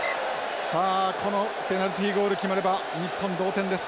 さあこのペナルティーゴール決まれば日本同点です。